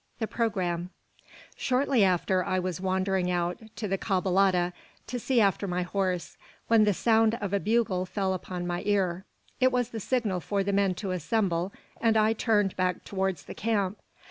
THE PROGRAMME. Shortly after, I was wandering out to the caballada to look after my horse, when the sound of a bugle fell upon my ear. It was the signal for the men to assemble, and I turned back towards the camp.